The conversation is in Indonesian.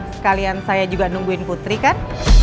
sekalian saya juga nungguin putri kan